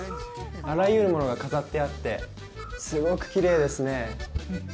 あらゆるものが飾ってあってすごくきれいですね